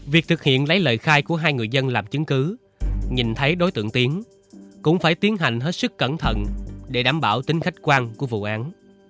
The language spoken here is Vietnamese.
việc thực hiện lấy lời khai của hai người dân làm chứng cứ nhìn thấy đối tượng tiến cũng phải tiến hành hết sức cẩn thận để đảm bảo tính khách quan của vụ án